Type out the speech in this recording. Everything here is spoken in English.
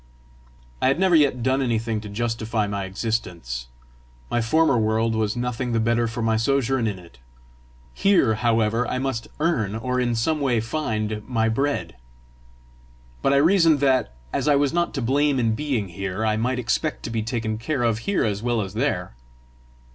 I had never yet done anything to justify my existence; my former world was nothing the better for my sojourn in it: here, however, I must earn, or in some way find, my bread! But I reasoned that, as I was not to blame in being here, I might expect to be taken care of here as well as there!